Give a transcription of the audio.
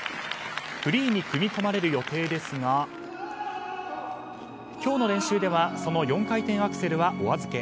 フリーに組み込まれる予定ですが今日の練習ではその４回転アクセルはお預け。